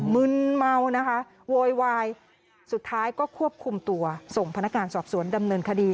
มึนเมานะคะโวยวายสุดท้ายก็ควบคุมตัวส่งพนักงานสอบสวนดำเนินคดี